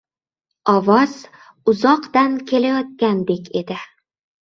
ovoz uzoqdan kelayotgandek edi.